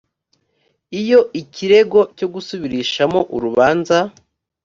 iyo ikirego cyo gusubirishamo urubanza